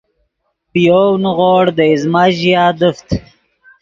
پے یَؤْ نیغوڑ دے ایزمہ ژیا دیفت